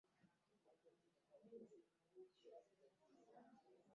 Ennaku zino omusana gutubadde bubi.